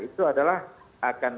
itu adalah akan